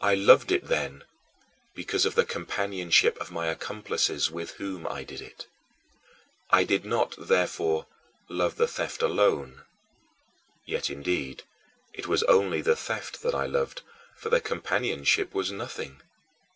I loved it then because of the companionship of my accomplices with whom I did it. I did not, therefore, love the theft alone yet, indeed, it was only the theft that I loved, for the companionship was nothing.